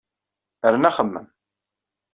Rnu axemmem.